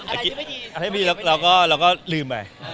อะไรที่ไม่ดีเราก็ลืมไป